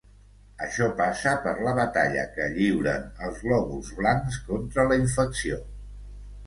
Això passa per la batalla que lliuren els glòbuls blancs contra la infecció.